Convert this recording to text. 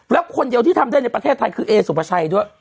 แล้วคนเดียวที่ทำได้ในประเทศไทยคือเอสุภาชัยด้วย